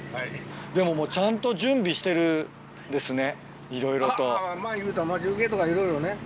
でももうちゃんと準備してるんですねいろいろと。